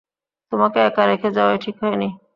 তোমাকে একা রেখে যাওয়াই ঠিক হয়নি।